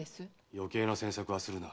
よけいな詮索はするな。